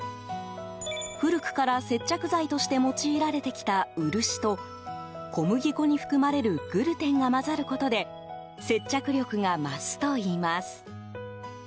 古くから接着剤として用いられてきた漆と小麦粉に含まれるグルテンが混ざることで接着力が増すといいます。